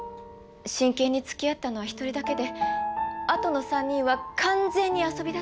真剣につきあったのは１人だけであとの３人は完全に遊びだったから。